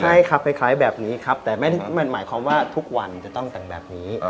ใช่ครับคล้ายแบบนี้ครับแต่มันหมายความว่าทุกวันจะต้องแต่งแบบนี้